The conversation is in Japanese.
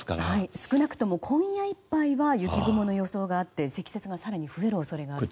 少なくとも今夜いっぱいは雪雲の予想があって積雪が更に増える恐れがあるんです。